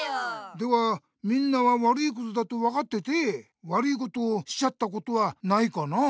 ではみんなは悪いことだとわかってて悪いことをしちゃったことはないかな？